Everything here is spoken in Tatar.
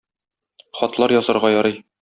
Хатлар язарга ярый.